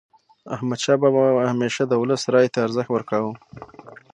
احمدشاه بابا به همیشه د ولس رایې ته ارزښت ورکاوه.